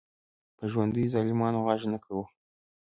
په ژوندیو ظالمانو غږ نه کوو.